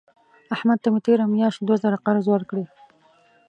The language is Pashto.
احمد ته مې تېره میاشت دوه زره قرض ورکړې.